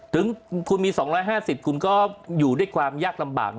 ถึงคุณมี๒๕๐คุณก็อยู่ด้วยความยากลำบาก